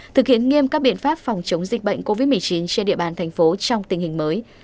thực hiện nghiêm các biện pháp phòng chống dịch bệnh covid một mươi chín trên địa bàn thành phố trong tình hình mới